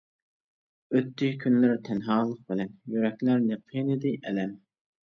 ئۆتتى كۈنلەر تەنھالىق بىلەن، يۈرەكلەرنى قىينىدى ئەلەم.